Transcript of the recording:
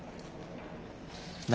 何？